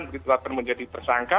begitu akan menjadi tersangka